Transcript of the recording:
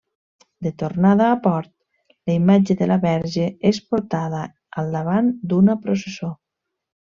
De tornada a port, la imatge de la verge és portada al davant d'una processó.